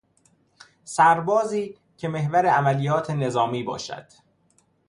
سربازی که محور عملیات نظامی باشد